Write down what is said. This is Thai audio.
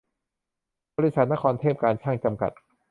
บริษัท นครเทพการช่าง จำกัด